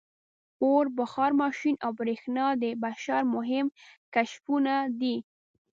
• اور، بخار ماشین او برېښنا د بشر مهم کشفونه دي.